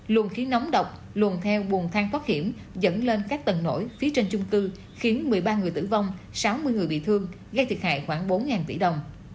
luồn khí nóng độc theo bùng thang thoát hiểm dẫn lên các tầng nổi phía trên chung cư khiến một mươi ba người tử vong sáu mươi người bị thương gây thiệt hại khoảng bốn tỷ đồng